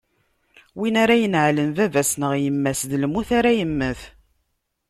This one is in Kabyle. Win ara ineɛlen baba-s neɣ yemma-s, d lmut ara yemmet.